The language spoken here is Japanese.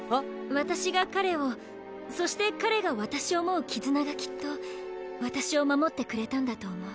私が彼をそして彼が私を思う絆がきっと私を守ってくれたんだと思う。